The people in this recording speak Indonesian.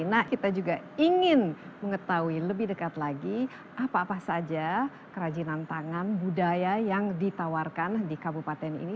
nah kita juga ingin mengetahui lebih dekat lagi apa apa saja kerajinan tangan budaya yang ditawarkan di kabupaten ini